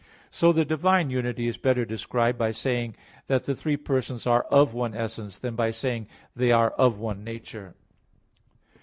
So the divine unity is better described by saying that the three persons are "of one essence," than by saying they are "of one nature."